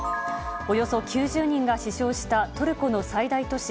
およそ９０人が死傷したトルコの最大都市